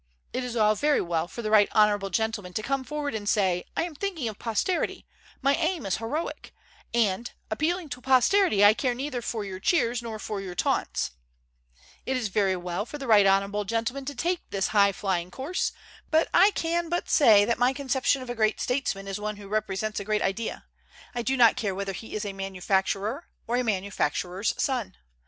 It is all very well for the right honorable gentleman to come forward and say, 'I am thinking of posterity; my aim is heroic; and, appealing to posterity, I care neither for your cheers nor for your taunts,' It is very well for the right honorable gentleman to take this high flying course, but I can but say that my conception of a great statesman is one who represents a great idea, I do not care whether he is a manufacturer or a manufacturer's son.